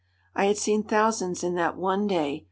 I had seen thousands in that one day.